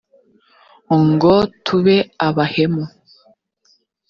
ngo tube abahemu